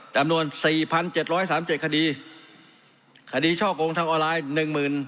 จำนวนสี่พันเจ็ดร้อยสามเจ็ดคดีคดีช่อกงทางออนไลน์หนึ่งหมื่น